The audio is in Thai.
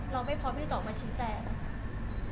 เราไม่พร้อมให้ต่อมาชินแปลง